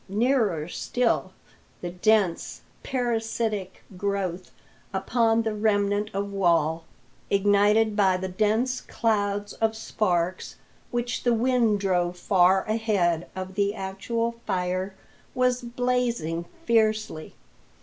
Nearer still, the dense, parasitic growth upon the remnant of wall, ignited by the dense clouds of sparks which the wind drove far ahead of the actual fire, was blazing fiercely.